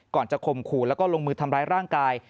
ก่อนจะข่มขู่แล้วก็ลงมือทำร้ายร่างกาย